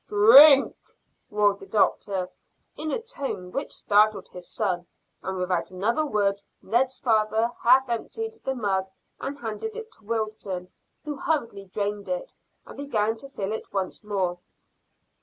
"Drink!" roared the doctor, in a tone which startled his son, and without another word Ned's father half emptied the mug and handed it to Wilton, who hurriedly drained it, and began to fill it once more.